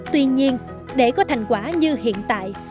tuy nhiên để có thành quả như hiện tại